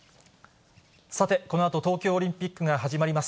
さて、このあと東京オリンピックが始まります。